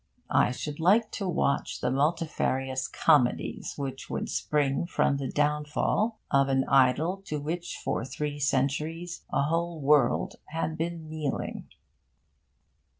I should like to watch the multifarious comedies which would spring from the downfall of an idol to which for three centuries a whole world had been kneeling.